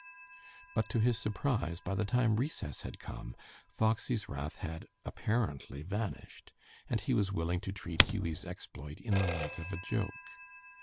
But to his surprise, by the time recess had come Foxy's wrath had apparently vanished, and he was willing to treat Hughie's exploit in the light of a joke.